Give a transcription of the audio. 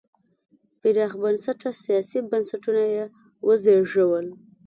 پراخ بنسټه سیاسي بنسټونه یې وزېږول.